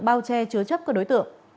bao che chứa chấp các đối tượng